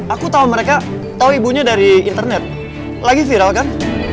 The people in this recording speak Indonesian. aku tahu mereka tahu ibunya dari internet lagi viral kan